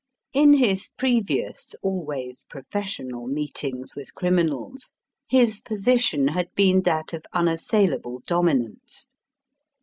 In his previous, always professional, meetings with criminals his position had been that of unassailable dominance.